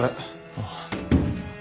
ああ。